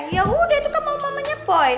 yaudah itu kan mau mamanya boy